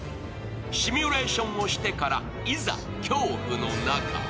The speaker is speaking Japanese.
シミュレーションをしてから、いざ、恐怖の中へ。